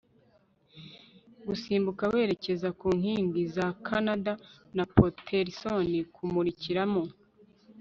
gusimbuka werekeza ku nkingi za kanada na paterson, kumurikira mo